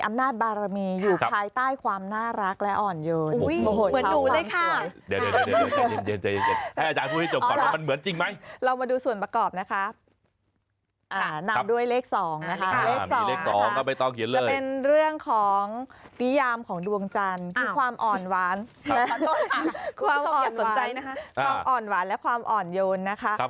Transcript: สนใจนะคะความอ่อนหวานและความอ่อนโยนนะคะ